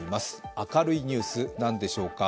明るいニュース、何でしょうか。